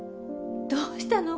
どうしたの？